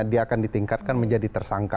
dia akan ditingkatkan menjadi tersangka